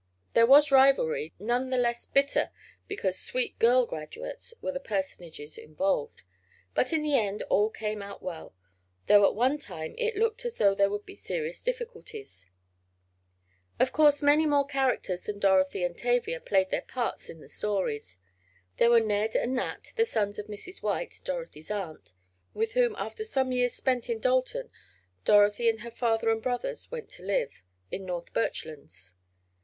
There was rivalry, none the less bitter because "sweet girl graduates" were the personages involved. But, in the end, all came out well, though at one time it looked as though there would be serious difficulties. Of course many more characters than Dorothy and Tavia played their parts in the stories. There were Ned and Nat, the sons of Mrs. White, Dorothy's aunt, with whom, after some years spent in Dalton, Dorothy and her father and brothers went to live, in North Birchlands.